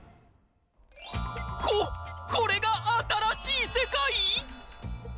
こ、これが、新しい世界！？